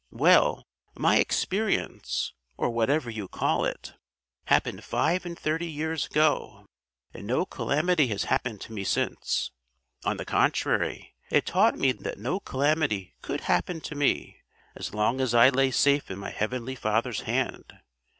"Well, my experience, or whatever you call it, happened five and thirty years ago, and no calamity has happened to me since. On the contrary, it taught me that no calamity could happen to me as long as I lay safe in my Heavenly Father's Hand.